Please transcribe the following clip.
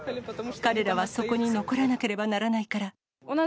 彼らはそこに残らなければならないから。